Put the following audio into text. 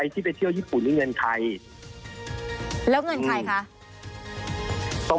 ที่ไปเที่ยวญี่ปุ่นมีเงินใคร